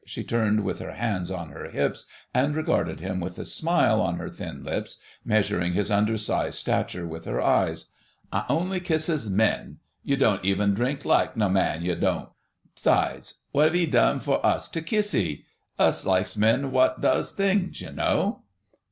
She turned with her hands on her hips and regarded him with a smile on her thin lips, measuring his undersized stature with her eyes. "I only kisses men—yu don' even drink laike no man, yu don'. 'Sides, wot've 'ee done for us tu kiss 'ee? Us laikes men wot does things, yu know."